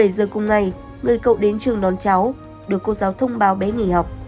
một mươi bảy h cùng ngày người cậu đến trường đón cháu được cô giáo thông báo bé nghỉ học